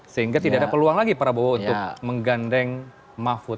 sehingga tidak ada peluang lagi prabowo untuk menggandeng mahfud